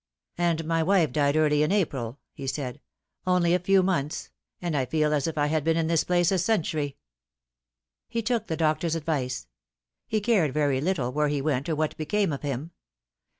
"And my wife died early in April," he said. " Only a few months ; and I feel as if I had been in this place a century." TKe Grave on the Bill. 281 He took the doctor's advice. He cared very little where he went or what became of him.